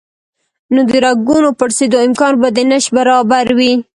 نو د رګونو پړسېدو امکان به د نشت برابر وي